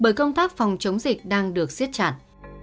bởi công tác phòng chống dịch đang được siết chặt